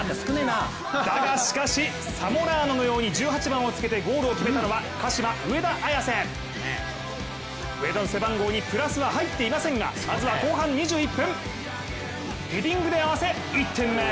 だが、しかしサモラーノのように１８番をつけてゴールを決めたのは、鹿島・上田綺世。上田の背番号にプラスは入っていませんが、まずは後半２１分、ヘディングで綺世。